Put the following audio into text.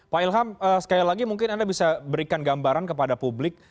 pak ilham sekali lagi mungkin anda bisa berikan gambaran kepada publik